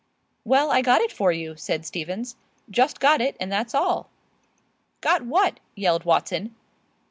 "Well, I got it for you," said Stevens, "just got it, and that's all." "Got what?" yelled Watson.